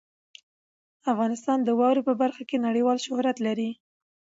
افغانستان د واوره په برخه کې نړیوال شهرت لري.